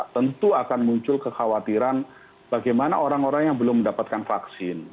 tentu akan muncul kekhawatiran bagaimana orang orang yang belum mendapatkan vaksin